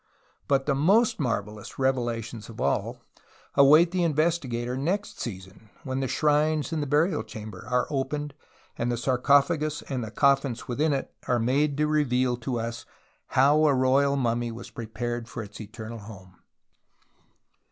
But the most marvellous revelations of all await the investigator next season when the shrines in the burial chamber are opened and the sarcophagus and the coffins within it are made to reveal to us how a royal mummy was prepared for its eternal home.